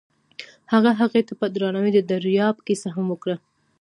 هغه هغې ته په درناوي د دریاب کیسه هم وکړه.